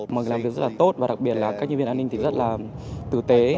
mình làm việc rất là tốt và đặc biệt là các nhân viên an ninh rất là tử tế